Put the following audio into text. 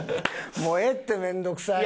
もうええってめんどくさい！